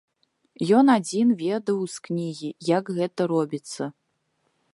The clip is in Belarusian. Ён адзін ведаў з кнігі, як гэта робіцца.